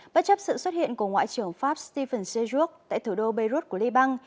bất chấp sự xuất hiện của ngoại trưởng pháp stephen sejuk tại thủ đô beirut của liban